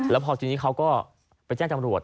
แล้วพอทีนี้เขาก็ไปแจ้งจำรวจ